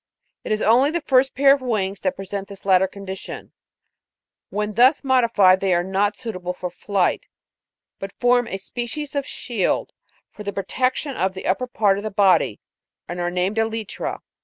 It is only the first pair of wings that present this latter condition ; when thus modified they are not suitable for flight, but form a species of shield for the protection of the upper part of the body, and are named elytra.